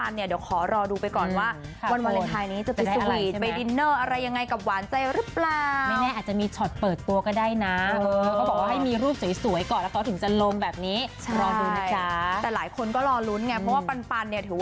ซึ่งเธอบอกว่าอามานะนะอยากให้เธอเก็บไว้